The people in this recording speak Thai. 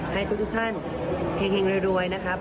ให้ทุกท่านเฮงรวยนะครับ